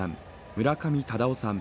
村上忠雄さん